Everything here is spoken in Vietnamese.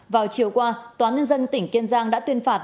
vào chiều qua tòa nhân dân tỉnh kiên giang đã tuyên phạt